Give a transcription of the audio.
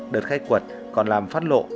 đợt khai quật còn làm phát lộ